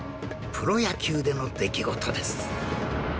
プロ野球での出来事です